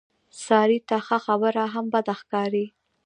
سارې ته ښه خبره هم بده ښکاري.